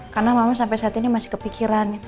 karena mama sampai saat ini masih kepikiran